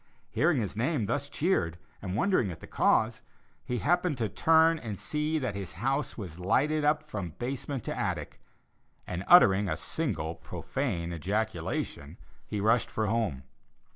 Hearing his name thus cheered and wondering at the cause, he happened to turn and see that his house was lighted up from basement to attic, and uttering a single profane ejaculation, he rushed for home.